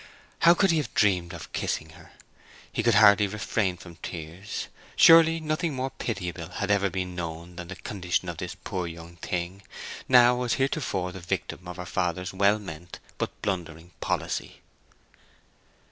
How could he have dreamed of kissing her? He could hardly refrain from tears. Surely nothing more pitiable had ever been known than the condition of this poor young thing, now as heretofore the victim of her father's well meant but blundering policy.